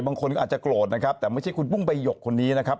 บางคนก็อาจจะโกรธนะครับแต่ไม่ใช่คุณปุ้งใบหยกคนนี้นะครับ